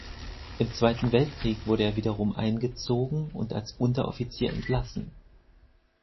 Im Zweiten Weltkrieg wurde er wiederum eingezogen und als Unteroffizier entlassen.